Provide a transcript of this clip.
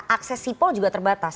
akses sipol juga terbatas